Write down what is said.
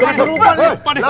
masa lupa nih pak dio